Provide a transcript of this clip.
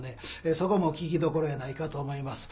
そこも聴きどころやないかと思います。